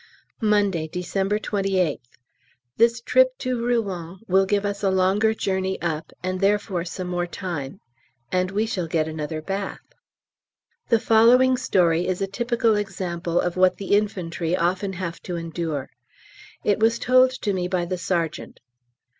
Monday, December 28th. This trip to Rouen will give us a longer journey up, and therefore some more time. And we shall get another bath. The following story is a typical example of what the infantry often have to endure. It was told to me by the Sergeant.